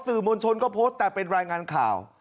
สื่อมวลชนก็โพสต์แต่เป็นรายงานข่าว